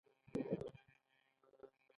د چغندر پاڼې د څه لپاره وکاروم؟